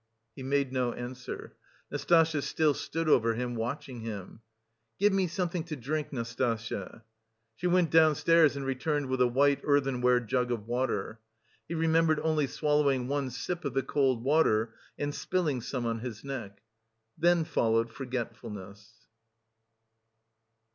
He made no answer. Nastasya still stood over him, watching him. "Give me something to drink... Nastasya." She went downstairs and returned with a white earthenware jug of water. He remembered only swallowing one sip of the cold water and spilling some on his neck. Then followed forgetfulness.